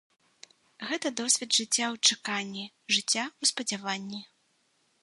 Гэта досвед жыцця ў чаканні, жыцця ў спадзяванні.